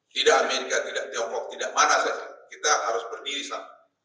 tidak amerika tidak tiongkok tidak mana saja kita harus berdiri sama